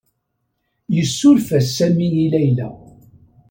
Yessuref-as Sami i Layla.